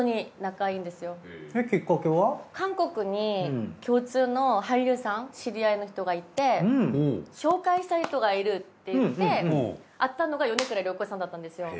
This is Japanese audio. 韓国に共通の俳優さん知り合いの人がいて紹介したい人がいるって言って会ったのが米倉涼子さんだったんですよ。